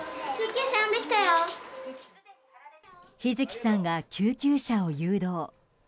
陽月さんが救急車を誘導。